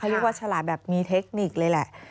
เรียกว่าฉลาดแบบมีเทคนิคเลยแหละ